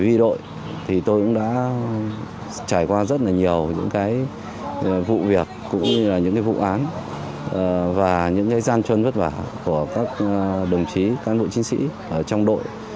chỉ huy đội thì tôi cũng đã trải qua rất là nhiều những cái vụ việc cũng như là những cái vụ án và những cái gian chân vất vả của các đồng chí cán bộ chính sĩ ở trong đội